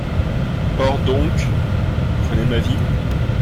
Ores doncques, prenez ma vie !